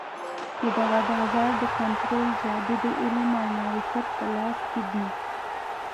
د دغه بازار د کنترول جادو د علم او معرفت په لاس کې دی.